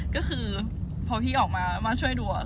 ก็คือพอพี่ออกมามาช่วยดู